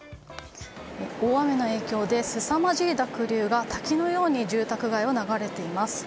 大雨の影響ですさまじい濁流が滝のように住宅街を流れています。